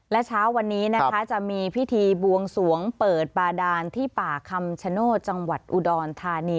และเช้าวันนี้นะคะจะมีพิธีบวงสวงเปิดบาดานที่ป่าคำชโนธจังหวัดอุดรธานี